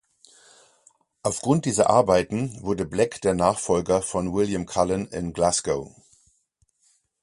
Aufgrund dieser Arbeiten wurde Black der Nachfolger von William Cullen in Glasgow.